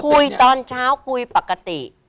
คุยตอนเช้าคุยปกติ